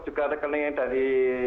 juga rekening dari